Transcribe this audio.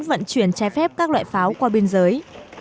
vận chuyển trái phép các loại pháo qua biên giới